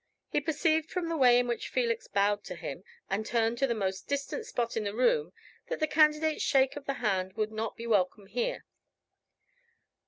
He perceived from the way in which Felix bowed to him and turned to the most distant spot in the room, that the candidate's shake of the hand would not be welcome here.